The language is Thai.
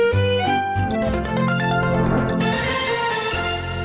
โปรดติดตามตอนต่อไป